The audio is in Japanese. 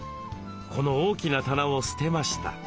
この大きな棚を捨てました。